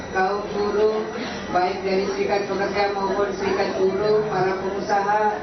kaum guru baik dari serikat pekatnya maupun serikat guru para pengusaha